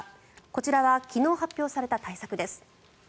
こちらは昨日発表された対策です。